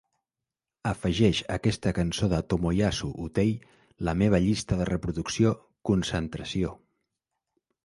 Afegeix aquesta cançó de Tomoyasu Hotei la meva llista de reproducció "Concentració"